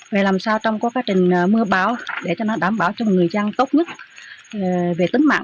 về làm sao trong quá trình mưa bão để cho nó đảm bảo cho người dân tốt nhất về tính mạng